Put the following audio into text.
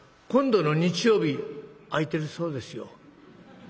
今度の日曜日空いてるそうですよ。